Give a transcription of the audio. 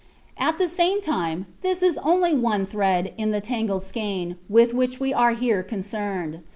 At the same time this is only one thread in the tangled skein with which we are here concerned.